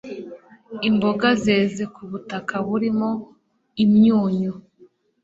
imboga zeze ku butaka burimo imyunyu